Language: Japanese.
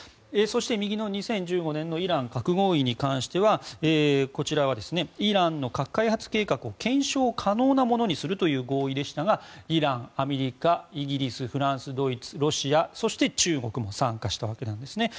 そして２０１５年のイラン核合意に関してはこちらは、イランの核開発を検証可能なものにするという合意でしたがイラン、アメリカイギリス、フランス、ドイツロシアそして中国も参加したわけです。